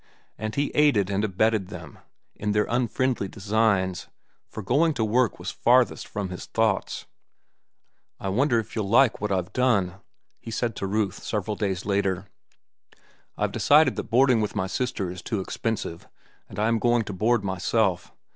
And he aided and abetted them in their unfriendly designs, for going to work was farthest from his thoughts. "I wonder if you'll like what I have done!" he said to Ruth several days later. "I've decided that boarding with my sister is too expensive, and I am going to board myself.